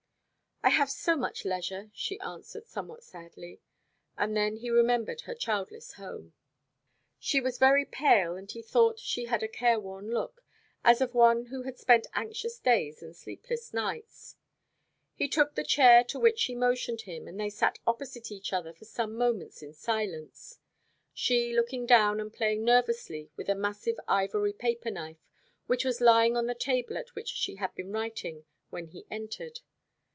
"I have so much leisure," she answered somewhat sadly; and then he remembered her childless home. She was very pale, and he thought she had a careworn look, as of one who had spent anxious days and sleepless nights. He took the chair to which she motioned him, and they sat opposite each other for some moments in silence, she looking down and playing nervously with a massive ivory paper knife which was lying on the table at which she had been writing when he entered.